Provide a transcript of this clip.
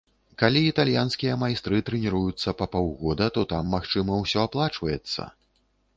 Калі італьянскія майстры трэніруюцца па паўгода, то там, магчыма, ўсё аплачваецца.